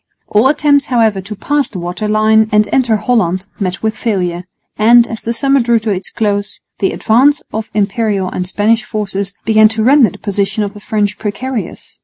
All attempts, however, to pass the water line and enter Holland met with failure; and, as the summer drew to its close, the advance of Imperial and Spanish forces began to render the position of the French precarious.